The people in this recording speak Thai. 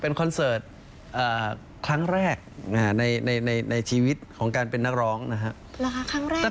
เป็นคอนเสิร์ตครั้งแรกในในชีวิตของการเป็นนักร้องนะฮะครั้งแรก